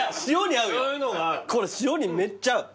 これ塩にめっちゃ合う。